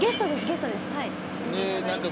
ゲストです。